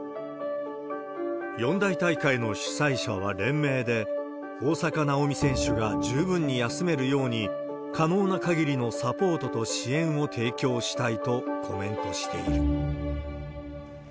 四大大会の主催者は連名で、大坂なおみ選手が十分に休めるように、可能な限りのサポートと支援を提供したいとコメントしている。